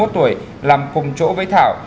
hai mươi một tuổi làm cùng chỗ với thảo